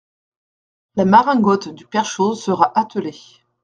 La maringotte du père Chose sera attelée.